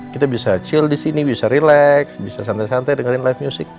kita bisa chill di sini bisa relax bisa santai santai dengerin live music